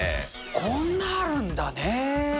こんなあるんだね。